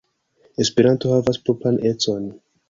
Esperanto havas propran econ.